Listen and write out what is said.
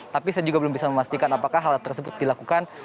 tapi saya juga belum bisa memastikan apakah hal tersebut dilakukan